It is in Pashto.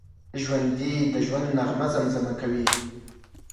ژوندي د ژوند نغمه زمزمه کوي